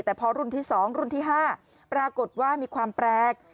แต่พอรุ่นที่๒รุ่นที่๕ปรากฏว่ามีความแปลก